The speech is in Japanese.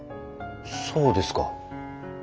そうですか。